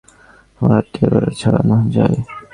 আমার হাতটা এবার ছাড়া যায়?